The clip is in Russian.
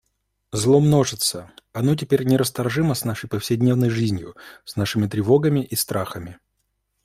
Зло множится, оно теперь нерасторжимо с нашей повседневной жизнью, с нашими тревогами и страхами.